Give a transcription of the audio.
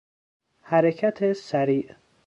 حرکت سریع